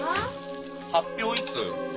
発表いつ？